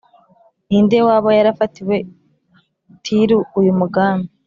Ni nde waba yarafatiye Tiri uyu mugambi,